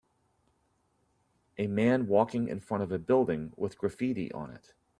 A man walking in front of a building with graffiti on it.